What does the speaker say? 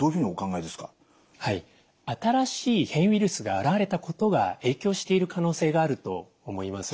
新しい変異ウイルスが現れたことが影響している可能性があると思います。